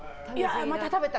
また食べた